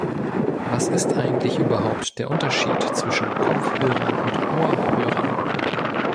Was ist eigentlich überhaupt der Unterschied zwischen Kopfhörern und Ohrhörern?